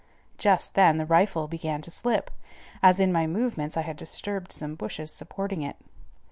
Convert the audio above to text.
Just then the rifle began to slip down, as in my movements I had disturbed some bushes supporting it.